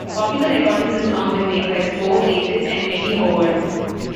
Popular recordings of the song were made by The Four Aces and Eddy Howard.